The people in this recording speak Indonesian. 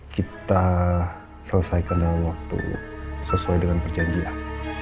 kita selesaikan dalam waktu sesuai dengan perjanjian